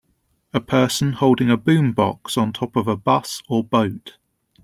A person holding a Boombox on top of a bus, or boat.